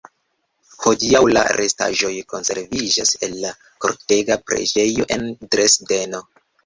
Hodiaŭ la restaĵoj konserviĝas en la Kortega preĝejo en Dresdeno.